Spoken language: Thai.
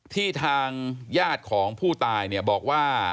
ที่ทางญาติของผู้ตายบอกว่า